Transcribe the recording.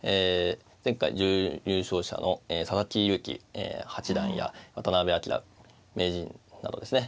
前回準優勝者の佐々木勇気八段や渡辺明名人などですね